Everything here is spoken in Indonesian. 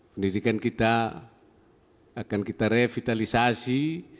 pendidikan kita akan kita revitalisasi